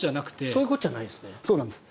そういうことじゃないんですね。